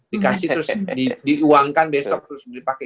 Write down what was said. dikasih terus diuangkan besok terus dipakai